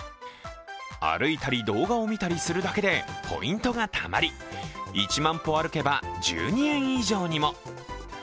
歩いたり動画を見たりするだけでポイントがたまり、１万歩歩けば１２円以上にも。